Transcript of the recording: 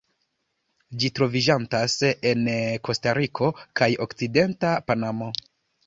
Ĝi troviĝantas en Kostariko kaj okcidenta Panamo.